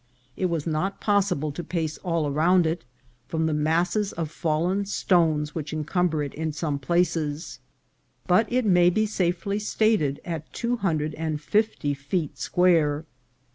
It was not possible to pace all around it, from the masses of fallen stones which encumber it in some places, but it may be safely stated at two hundred and fifty feet square.